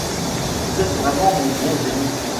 Vous êtes vraiment mon bon génie.